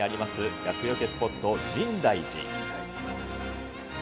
厄よけスポット、深大寺。